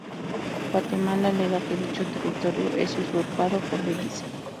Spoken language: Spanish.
Guatemala alega que dicho territorio es usurpado por Belice.